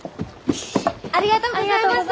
ありがとうございます！